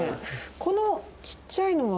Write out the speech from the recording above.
このちっちゃいのは？